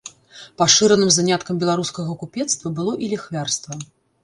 Пашыраным заняткам беларускага купецтва было і ліхвярства.